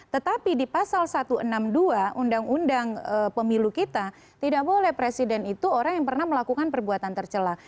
tetapi di pasal satu ratus enam puluh dua undang undang pemilu kita tidak boleh presiden itu orang yang pernah melakukan perbuatan tercelah